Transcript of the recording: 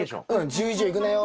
「１０以上いくなよ」